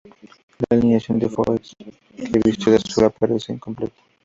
La alineación del Foix, que vistió de azul, aparece incompleta.